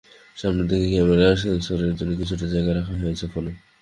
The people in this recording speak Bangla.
সামনের দিকের ক্যামেরা, সেন্সরের জন্য কিছুটা জায়গা রাখা হচ্ছে নতুন ফোনে।